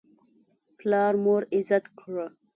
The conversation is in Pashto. پلار مور عزت کړه.